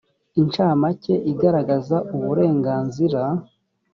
incamake igaragaza uburenganzira